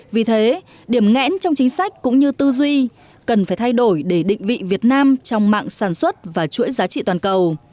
vì thế điểm ngẽn trong chính sách cũng như tư duy cần phải thay đổi để định vị việt nam trong mạng sản xuất và chuỗi giá trị toàn cầu